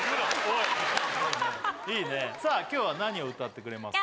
いいねさあ今日は何を歌ってくれますか？